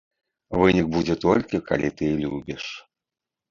Вынік будзе толькі калі ты любіш.